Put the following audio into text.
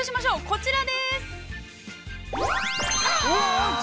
こちらです。